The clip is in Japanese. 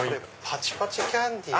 パチパチキャンディー。